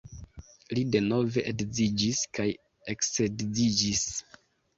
Li denove edziĝis kaj eksedziĝis.